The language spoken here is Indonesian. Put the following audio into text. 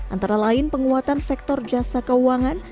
antara lain penguatan sektor jasa keuangan